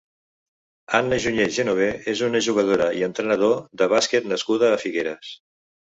Anna Junyer Genover és una jugadora i entrenador de bàsquet nascuda a Figueres.